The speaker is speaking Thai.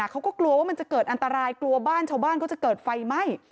เขาก็กลัวว่ามันจะเกิดอันตรายกลัวบ้านชาวบ้านเขาจะเกิดไฟไหม้